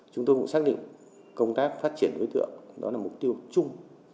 chúng tôi cũng xác định công tác phát triển đối tượng đó là mục tiêu chung